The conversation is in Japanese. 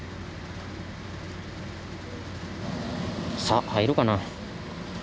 さあ入るかな？